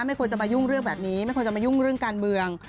ไม่ควรจะมายุ่งเรื่องแบบนี้ไม่ควรจะมายุ่งเรื่องการเมือง